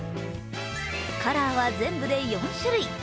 カラーは全部で４種類。